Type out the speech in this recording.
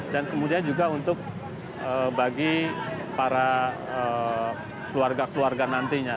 dan kemudian juga untuk bagi para keluarga keluarga nantinya